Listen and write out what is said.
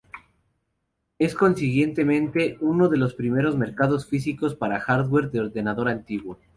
Es consiguientemente uno de los primeros mercados físicos para hardware de ordenador antiguo.